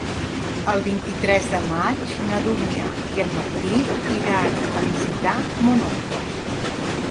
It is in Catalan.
El vint-i-tres de maig na Dúnia i en Martí iran a visitar mon oncle.